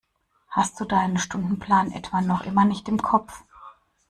Hast du deinen Stundenplan etwa noch immer nicht im Kopf?